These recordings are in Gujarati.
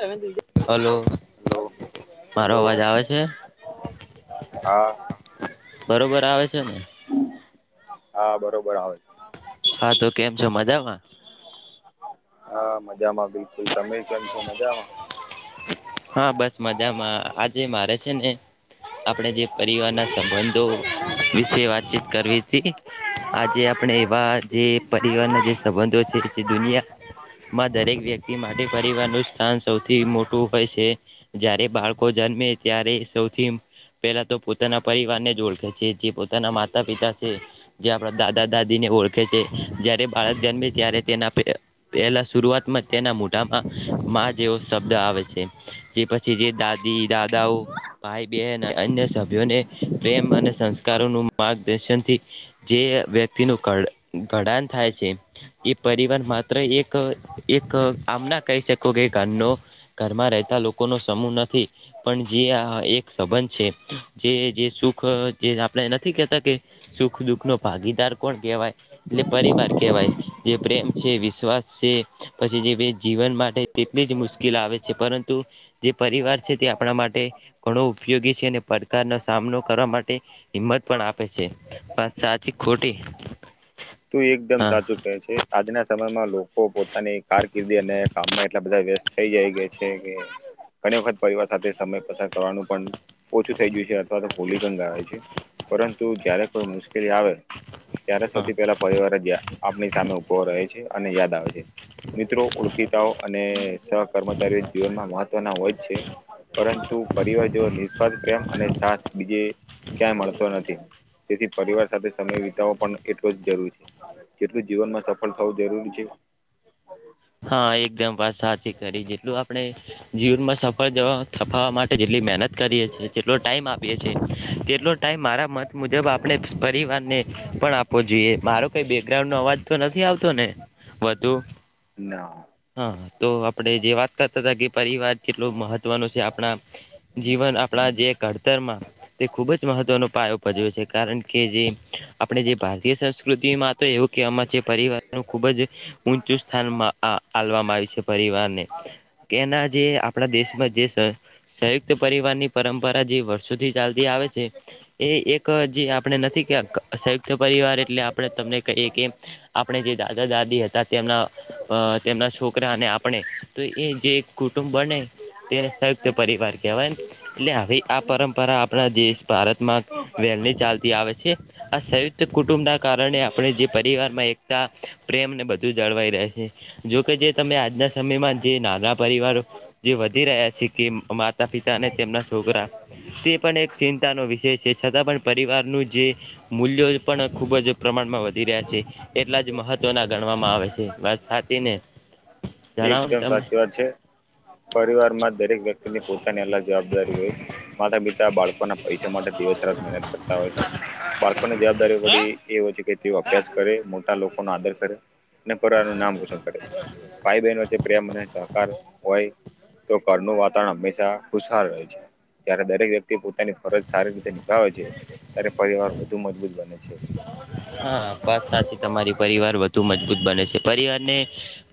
એજ હલો હ મારો હલો અવાજ આવે છે હા બરોબર ચાલને હા બરોબર આવે છે હા તો કેમ છો મજામાં હા મજામાં બિલકુલ તમે કેમ છો મજામાં હા બસ મજામાં આજે મારે છે ને આપણે જે પરિવાર ના સંબંધો વિશે વાતચીત કરવી છે આજે આપણે એવા જે પરવારના જેબંધ દુનિયામાં દરેક વ્યક્તિ માટે પરિવાર નું સ્થાન સૌથી મોટું હોય છે. જ્યારે પેલા તો પોતાના પરિવાર ને જ ઓળખે છે જે પોતાના માતા પિતા છે જે આપણા દાદા દાદી ને ઓળખે છે જારે બાળક જન્મે ત્યારે તેના પહેલા શરૂઆતમાં તેના મોઢામાં માં જેવો શબ્દ આવે છે જે પછી જે દાદી દાદાઓ ભાઈ બહેન અન્ય સભ્યોને પ્રેમ અને સંસ્કારો ન માર્ગદર્શન થી જે વ્યક્તિનું ક ઘડાણ થાય છે એ પરિવાર માત્ર એક એક આમના કહી શકે શ કે કનો ઘરમાં રહેતા લોકોનો સમૂહ નથી પણ જે આ એક સંબંધ છે જે જે સુખ જે આપણે નથી કેહેતા કે સુખ દુઃખ નો ભાગીદાર કોણ કેહેવાય એટલે પરિવાર કેહેવાય જે પ્રેમ છે વિશ્વાસ છે પછી જે જીવન માટે તેટલી જ મુશ્કેલ આવે છે છે પરંતુ જે પરિવાર છે તે આપણા માટે ઘણો ઉપયોગી છે અને પડકારનો સામનો કરવા માટે હિંમત પણ આપે છે સાચી ખોટી તું એકદમ હા સાચું કહે છે આજના સમયમાં લોકો પોતાની કારકિર્દી અને કામમાં એટલા બધા વ્યસ્ત થઈ જાય ગયા છે કે ઘણી વખત પરિવાર સાથે સમય પસાર કરવાનું પણ ઓછું થઈ ગયું છે અથવા તો ભોલી પણ ગ છે પરંતુ જયારે કોઈ મુશ્કે આવે ત્યારે સૌથી પહેલા પરિવાર જ આપણી સામે ઉભ રહે છે અને યાદ આવે છે મિત્રો ઓળખીતાઓ અને સહકર્મચારીઓ જીવનમાં મહત્વના હોય છે પરંતુ પરિવાર જો નિસ્વાર્ પ્રેમ અને સાથ બીજે ક્યાં મળતો નથી તેથી પરિવાર સાથે સમય વિતાવો પણ એટલો જ જરૂરી છે કેટલું જીવનમાં સફળ થવું જરૂરી છે હા એકદમ વાત સાચી કરી જેટલું આપણે જીવનમાં સફળ જવા સફાવ માટે જેટલી મહેનત કરીએ છીએ જેટલો ટાઈમ આપીએ છીએ તેટલો ટાઈમ મારા મત મુજબ આપણે પરિવાર આપો જોઈએ મારો કઈ બેકગ્રાઉન્ડ નો અવાજ તો નથી આવતો ને વધુ ના હા તો આપડે જે વાત કરતા હતા કે પરિવાર કેટલોું મહત્વનો છે આપણા જીવન આપણા જે ઘડતરમાં તે ખૂબ જ મહત્વનો પાયો ઉપજવે છે કારણ કે જે આપણે જે ભારતીય સંસ્કૃતિમાં તો એવું કેમાં જે પરીવાર નુ ખુબ જ ઊંચું સ્થાનમાં આ આલવામાં આવી છે પરિવારને કેના જે આપણા દેશમાં જે સંયુક્ત પરિવાર ની પરંપરા જે વર્ષોથી ચાલ્દી આવે છે એ એક જે આપ નથી સંયુક્ત પરિવાર એટલે આપણે તમને કહીએ કે આપણે જે દાદા દાદી હતા તેમ તેમના છોકરા અને આપણે તો એ જે કુટુંબ બને તેને સંયુક્ત પરિવાર કહેવાય એટલે હવે આ પરંપરા આપણા દેશ ભારતમાં [unintelligible] એમાં ચાલતી આવે છે આ સંયુક્ત કુટુંબ ના કારણે આપણે જે પરિવારમાં એકતા પ્રેમ ને બધું જ જાળવાઈ રહે જોકે જે તમે આજના સમયમાં જે નાના પરિવારો જે વધી રહ્યા છે કે મા માતા પિતા અને તેમના છોકરા તે પણ એક ચિંતાનો વિષય છે છતાં પણ પરિવારનું જે મૂલ્યો પણ ખૂબ જ પ્રમાણ ટૂંક માં વધી રહ્યા છે એટલા જ મહત્વના ગણવામાં આવે છે વાત સાચીને એકદમ સાચી વાત છે. પરિવાર માં દરેક વ્યક્તિની પોતાની અલગ જવાબદારી હોય માતા પિતા બાળકોના પૈસા માટે દિવસ રાત મહેનત કરતા હોય છે. બાળકોની જવાબદારી પડી એ હોય છે કે તેઓ અભ્યાસ કરે મોટા લોકો નો આદર કરે. અને પરિવાર નું નામ રોશન કરે ભાઈ બહેન વચ્ચે પ્રેમ અને સહકાર હોય તો ઘરનું વાતાવરણ હંમેશા ખુશ હાલ રહે છે, જ્યારે દરેક વ્યક્તિ પોતાની ફરજ સારી રીતે. નિભાવતા હોય છે. ત્યારે પરિવાર વધુ મજબૂત બને. છે હા, વાત સાચી. તમારી પરિવાર વધુ મજબૂત બને છે. પરિવાર ને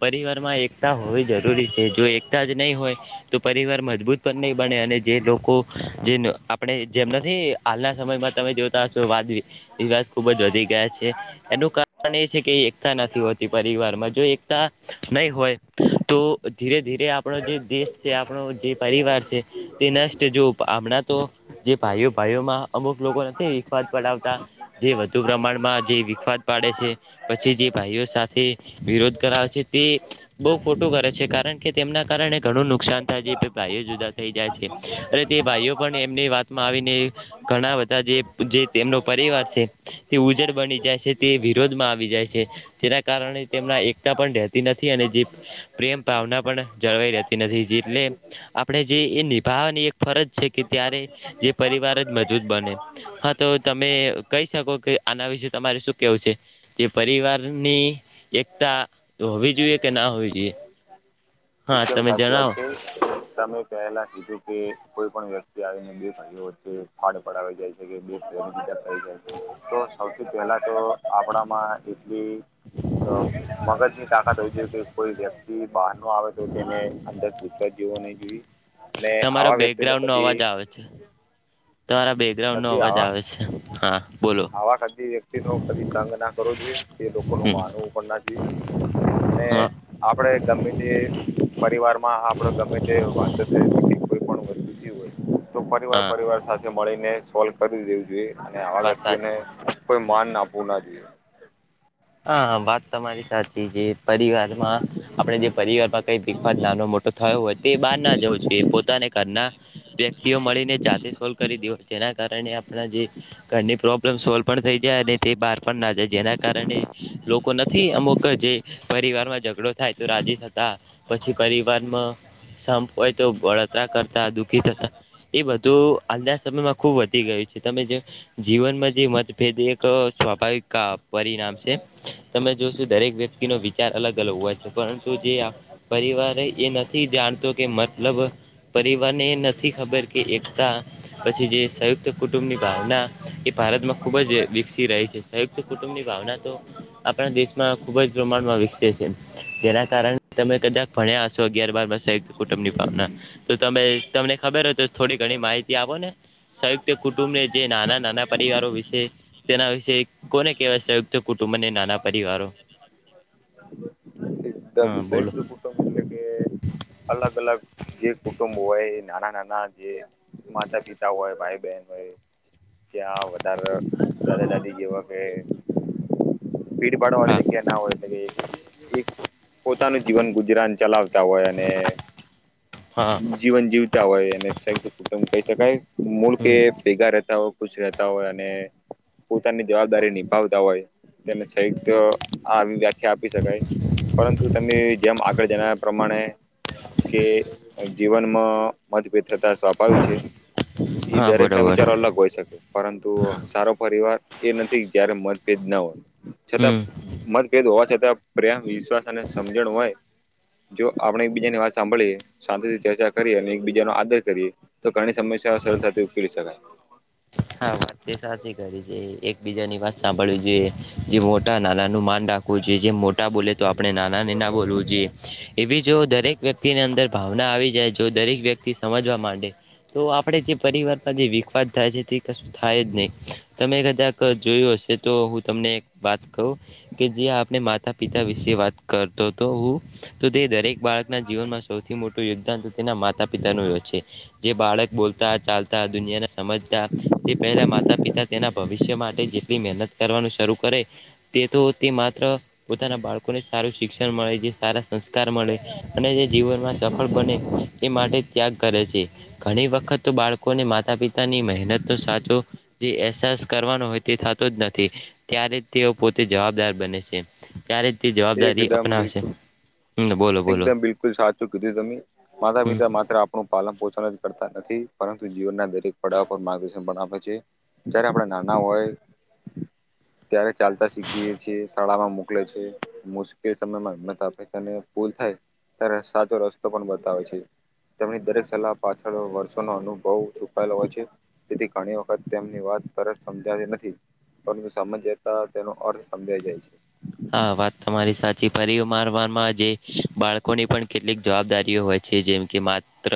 પરિવાર માં એક એકતા હોવી જરૂરી છે. જો એકતા જ નહીં હોય, તો પરિવાર મજબૂત પણ નહીં બને. અને જે લોકો જે આપણે જેમ નથી. હાલના સમયમાં, તમે જોતા હશો, વાદી એ ખુબ જ વધી ગયા છે. એનું કારણ એ છે કે, એકતા નથી હોતી પરિવારમાં. જો એકતા નહીં હોય, તો ધીરે ધીરે આપણો જે દેશ છે, આપણો જે પરિવાર છે, તે નષ્ટ. જો હમણાં તો જે ભાઈઓ, ભાઈઓમાં અમુક લોકો નથી, વિવાદ. પડાવતા જે વધુ પ્રમાણમાં જે વિખવાદ પાડે છે. પછી, જે ભાઈઓ સાથે વિરોધ કરાવે છે, તે બહુ ખોટું કરે છે, કારણ કે તેમના કારણે ઘણું નુકસાન થાય છે. બે ભાઈઓ જુદા થઈ જાય છે, અને તે ભાઈઓ પણ એમની વાતમાં આવીને ઘણા બધા જે જે તેમનો પરિવાર છે. તે ઉજ્જડ બની જાય છે. તે વિરોધ માં આવી જાય છે. તેના કારણે, તેમના એકતા પણ રહેતી નથી. જે પ્રેમ ભાવના પણ જળવાઈ રહેતી નથી. જેટલે આપણે જે એ નિભાવ એક ફરજ છે કે, ત્યારે જે પરિવાર જ મજબૂત બને. હા, તો હવે તમે કહી શકો કે આના વિશે તમારે શું કેવું છે તે પરિવારની એકતા તો હોવી જોઈએ કે ના હોવી જોઈએ? હા એકદમ તમે સાચી વાત જણાવો છે. તમે પહેલા કીધું કે કોઈ પણ વ્યક્તિ આવીને બે ભાઈઓ વચ્ચે ફાડ પડવા જાય છે, કે બેવ અલગ થઈ જાય. તો સૌથી પહેલા તો આપણામાં એ મગજ ની તાકાત હોય છે. તે કોઈ વ્યક્તિ બહાર ન આવે. તો તેને અંદર સુશવાદ જેવો નહીં જોઈએ. અને તમારો આવા વ્યક્તિ નું બેકગ્રાઉન્ડ નો કદી અવાજ આવે છે તમારા બેકગ્રાઉન્ડ નો કદી અવાજ આવે છે હા બોલો આવા-આવા કદી વ્યક્તિ નો કદી સંગ ના કરવો જોઈએ. તે લોકોનું હમ માનવું પણ ના જોઇએ. અને હા આપડે ગમે તે પરિવાર માં, આપડે ગમે તે વાત જ કોઈ પણ વસ્તુ થઇ હોય. તો પરિવાર, હા પરિવાર સાથે મળીને, સોલ્વ કરી દેવું જોઈએ, અને આવા વાત સાચી વ્યક્તિઓને માન ના આપવું ના જોઈએ. હા હ. તમારી સાચી. જે પરિવારમાં આપણે જે પરિવાર માં કઈ વિખવાદ, નાનો મોટો થયો હોય. તે બહાર જ. હોય છે, એ પોતાના ઘરના વ્યક્તિઓ મળીને, જાતે સોલ્વ કરી દે, જેના કારણે જે ઘરની પ્રોબ્લેમ સોલ્વ પણ થઈ જાય, અને તે બહાર પણ ના જાય, જેના કારણે લોકો નથી, અમુક જે પરિવાર માં ઝઘડો થાય, તો રાજી થતા. પછી પરિવારમાં સંપ હોય તો બળતરા કરતા દુઃખી થતા. એ બધું આજના સમયમાં ખુબ વધી ગયું છે. તમે જે જીવનમાં જે મતભેદ એ કરો છો, સ્વાભાવિક કા પરિણામ છે. તમે જોશો, દરેક વ્યક્તિ નો વિચાર અલગ-અલગ હોય છે, પરંતુ જે આ પરિવાર એ જાણતો કે, મતલબ પરિવારને એ નથી ખબર કે એકતા પછી જે સંયુક્ત કુટુંબ ની ભાવના, એ ભારતમાં ખુબ જ વિકસી રહી છે. સંયુક્ત કુટુંબ ની ભાવના તો આપણા દેશમાં ખુબ જ પ્રમાણમાં વિકસે છે, જેના કારણે તમે કદાચ ભણ્યા હશો કે. કુટુંબ ની ભાવના તો તમે તમને ખબર હોય, તો થોડી ઘણી માહિતી આપો ને. સંયુક્ત કુટુંબને, જે નાના-નાના પરિવારો વિશે, તેના વિશે કોને કેવાય? સંયુક્ત કુટુંબ. તું મને નાના પરિવારો. એકદમ. હા બોલો સંયુક્ત કુટુંબ એટલે કે, અલગ-અલગ જે કુટુંબ હોય, એ નાના-નાના ના જે માતા-પિતા હોય, ભાઈ-બહેન હોય. ત્યાં વધારે દાદા દાદી જેવા કે હા [inaudible] કે ના હોય કે એક પોતાનું જીવન ગુજરાન ચલાવતા હોય અને હા જીવન જીવતા હોય અનેને સંયુક્ત કુટુંબ કહી શકાય મૂળ કે હમ એ ભેગા તા હોય ખુશ રહેતા હોય અને પોતાની જવાબદારી નિભાવતા હોય તેને [unintelligible] વ્યાખ્યા આપી શકાય પરંતુ તમે જેમ આગળ જણ્યા પ્રમાણે કે જીવનમાં મતભેદ થતા સ્વાભાવિક છે ઈ હા દરેક ના બરોબર વિચારો અલગ હોય શકે પરંતુ સારો પરિવાર એ નથી જયારે મતભેદ ના હો છતાં હમ મતભેદ હોવા છતાં પ્રમ વિશ્વાસ અને સમજણ હોય જો આપણે એકબીજાની વાત સાંભળીએ શાંતિથી ચર્ચા કરીએ અને એકબીજાનો આદર કરીએ તો ઘણી સમય સરળ થતી ઉકેલી શકાય હા વાત તે સાચી કરી છે એકબીજા ની વાત સાંભળવી જોઈએ જે મોટા નાનાનું માન રાખવુંજો જે મોટા બોલે તો આપણે નાના ના બોલવું જોઈએ એવી જો દરેક વ્યક્તિની અંદર ભાવના આવી જાય જો દરેક વ્યક્તિ સમજવા માંડે તો આપણે જે પરિવારમાં જે વિખવાદ થાય છે તે થાય જ નહીિ તમે કદાક જોયું હશે તો હું તમને વાત કું કે જે આપણે માતા પિતા વિશે વાત કરતો હતો હું તો તે દરેક બાળક ના જીવનમાં સૌથી મોટું યોગદાન તેના માતા પિતા ન એ છે જે બાળક બોલતા ચાલતા દુનિયાને સમજતા તે માતા પિતા તેના ભવિષ્ય માટે જેટલી મહેનત કરવાનું શરૂ કરે તે તો તે માત્ર પોતાના બાળકોને સારું શિક્ષણ મળે છે સારા સંસ્કાર મળે અને જે જીવનમાં સફળ બને એ માટે ત્યાગ કરે છે ઘણી વખત તો બાળકોને માતા પિતાની મહેનત જી એસાસ કરવા હોય તે થતો જ નથી ત્યારે તેઓ પોતે જવાબદાર બને છે ત્યારે તે જવાબદાર એકદમ અપનાવશે બિલકુલ હમ બોલો બોલો એકદમ બિલકુલ સાચું કીધું તમે માતા હમ પિતા માત્ર આપણું પાલન પોષણ જ કરતા નથી પરંતુ જીવનના દરેક પડાવ પર માર્ગદર્શન પણ આપે છે જયારે આપણા નાના હોય [inaudible] ત્યારે ચાલતા શીખીએ છીએ શાળામાં મોકલે છે મુશ્કેલ સમયમાં [inaudible] આપેને ભૂલથાય ત્યારે સાચો રસ્તો પણ બતાવેય છે તેમની દરેક સલાહ પાછળ વર્ષોનોો અનુભવ છુપાયેલો હોય છે તેથી ઘણી વખત તેમની વાત તરત સમજાતી નથી પણ સમજતા તેનો અર્થ સમજાઈ જાય છે હા વાત તમારી સાચી ફરી મારવાવામાં જે બાળકોની પણ કેટલીક જવાબદારીઓ હોય છે જેમ કે માત્ર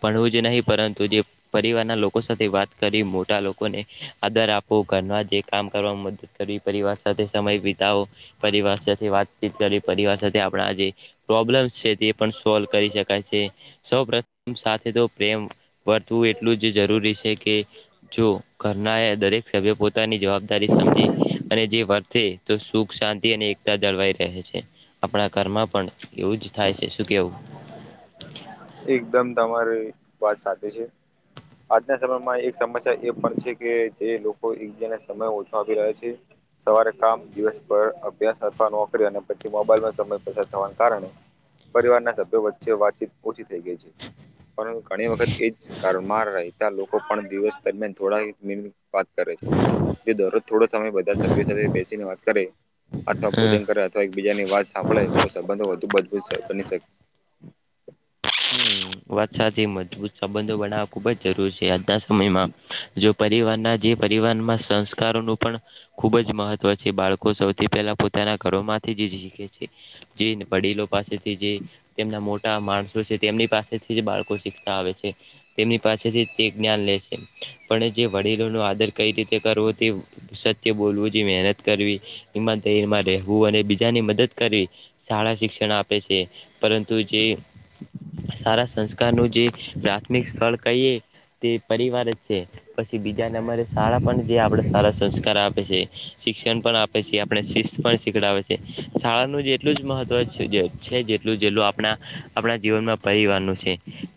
ભણવું જ નહી પરંતુ જે પરિવારના લોકો સાથે વાત કરી મોટા લોકોને આદર આપો ઘરના જે કામ કરવાવામાં મદદ કરી પરિવાર સાથે સમય વીતાઓ પરિવાર સાથે વાતચીત કરી પરિવાર સાથે આપણા જે પ્રોબ્લેમ્સ છે તે પણ સોલ્વ કરી શકાય છે સૌ પ્રથમ સાથે તો પ્રેમ વર્તવું એટલું જ જરૂરી છે કે જો કરના દરેક સભ્ય પોતાની જવાબદારી સમજી અને જે વર્થે તો સુખ શાંતિ. અને એકતા જળવાઈ રહે છે આપણા ઘરમાં પણ એવું જ થાય છે શું કેવું. એકદમ તમારી વાત સાથેચ છે. આજના સમયમાં એક સમસ્યા એ પણ છે કે જે લોકો એકબ્યાને સમય ઓછો આપી રહ્યા છે. સવારે કામ દિવસ પર અભ્યાસ અથવા નોકરી અને પછી મોબાઈલમાં સમય પસાર થવાના કારણે. પરિવારના સભ્યો વચ્ચે વાતચીત. ઓછી થઈ ગઈ છે પરંતુ ઘણી વખત એ જ ઘમાં રહેતા લોકો. લોકો પણ દિવસ દરમિયાન થોડા મિન વાત કરે છે. જો દરરોજ થોડો સમય બધા સભ્યો સાથે બેસીને વાત કરે. અથવા હમ ભોજન કરે અથવા એકબીજાની વાત સાંભળે તો સંબંધો વધુ મજબૂત બની શકે. વાસાથી મજબૂત સંબંધો બનાવવા ખુબ જ જરૂરી છે આજના સમયમાં જો. પરિવારના જે પરિવારમાં સંસ્કારોનું પણ ખૂબ જ મહત્વ છે બાળકો સૌથી પહેલા પોતા. ઘરોમાંથી જે જી છે જે વડીલો પાસેથી જે તેમના મોટા માણસો છે. તેમની પાસેથી જ બાળકો શીખતા આવે છે તેમની પાસેથી તે જ્ઞાન લે છે. પણ જે વડીલો ન આદર કઈ રીતે કરવો તે. બોલવું મહેનત કરવી માં રહેવું અને બીજાની મદદ કરવી શાળા શિક્ષણ. આપે છે પરંતુ જે. હમ્મ સારા સંસ્કાર નું જે પ્રાથમિક સ્થળ કહીએ. તે પરિવાર જ છે પછી બીજા નંબરે શાળા પણ જે આપડે સારા સંસ્કાર આપે છે. શિક્ષણ પણ આપે છે આપણે શિસ્ત પણ શીખડે છે શાળાનું જેટલું જ મહત્વ છે જે. જે આપણા આપણા જીવનમાં. પરિવારનું છે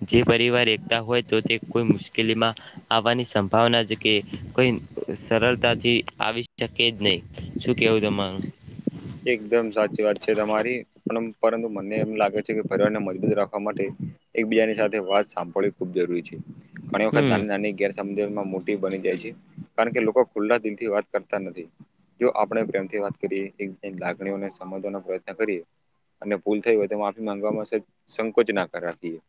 જે પરિવાર એકતા હોય તો તે કોઈ મુશ્કેલીમાં આવવાની સંભાવના. કે કોઈ સરળતાથી આવી શકે જ નહી શું કેવું તમાર. એકદમ સાચી વાત છે તમારી પણ. પરંતુ મને એમ લાગે છે કે પરિવારને મજબૂત રાખવા માટે. એકબીજાની સાથે વાત સાંભળવી ખૂબ જરૂરી છે ઘણી વખત હમ નાની ના ગ. સમ મોટી બની જાય છે કારણ કે લોકો ખુલ્લા દિલ થી વાત કરતા નથી જો આપણે પ્રેમથી. વાત કરી લાગણીઓને સમજવાનો પ્રયત્ન કરીએ. અને ભૂલ થઈ હોય તો માફી માંગવામાં સંકોચ નાકાર રાખીએ.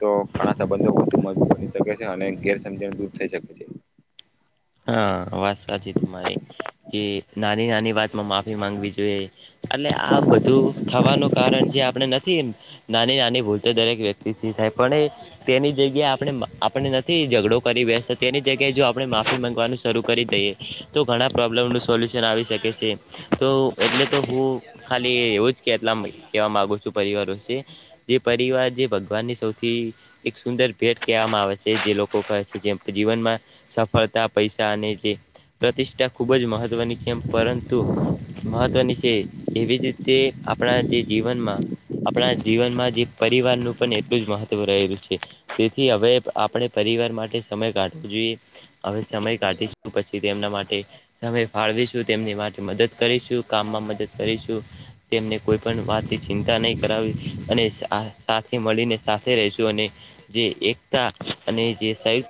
તો ઘણા સંબંધો વધુ મજબૂત બની શકે છે અને ગેરસજણ દૂર થઈ શકે છે. હા વાત સાચી તમારે કે નાની નાની વાત માં માફી માંગવી જોઈએ. એટલે આ બધું થવાનું કારણ જે આપણે નથી નાની નાની ભૂલ તો દરેક વ્યતિ થાય પણ તેની જગ્યા આપડે આપને નથી ઝઘડો કરી બે. એની જગ્યાએ જો આપણે મા. શરૂ કરી દઈએ તો ઘણા પ્રોબ્લેમનું સોલ્યુશન આવી શકે છે તો. એટલે તો હું ખાલી એવું જ કેટલા કેવા માંગુ છું પરિવારો જે પરિવાર જે. ભગવાનની સૌથી એક સુંદર ભેટ કહેવામાં આવે છે જે લોકો કહે છે જેમ જીવનમાં સફળ. પૈસા અને જે પ્રતિષ્ઠા ખુબ જ મહત્વની છે પરંતુ. મહત્વની છે એવી જ રીતે આપણા જે જીવનમાં. આપણા જીવનમાં જે પરિવારનું પણ એટલું જ મહત્વ રહેલું છે તેથી હવે આપણે. પરિવાર માટે સમય કાઢવો જોઈએ. હવે સમય કાઢીશું પછી તેમના માટે સમય ફાળવીશું તેમની માટે મદદ કરીશું કામમાં. મદદ કરીશું. તેમને કોઈ પણ વાત ચિંતા નહી કરાવી અને સાથે મળીને સાથે રશું અને. જે એકતા અને જે સાયુક્.